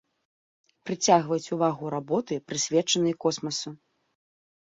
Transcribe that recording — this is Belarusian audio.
Прыцягваюць увагу работы, прысвечаныя космасу.